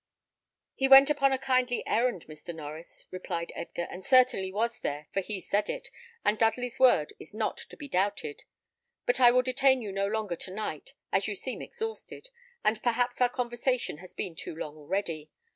"He went upon a kindly errand, Mr. Norries," replied Edgar, "and certainly was there, for he said it, and Dudley's word is not to be doubted. But I will detain you no longer to night, as you seem exhausted, and perhaps our conversation has been too long already.